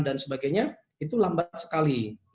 dan sebagainya itu lambat sekali